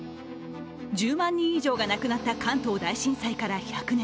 １０万人以上が亡くなった関東大震災から１００年。